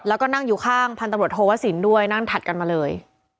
แล้วก็นั่งอยู่ข้างพันตำรวจโทวสินด้วยนั่งถัดกันมาเลย